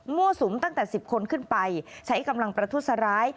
สุมตั้งแต่๑๐คนขึ้นไปใช้กำลังประทุษร้าย